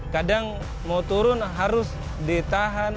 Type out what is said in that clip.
kadang mau turun harus ditahan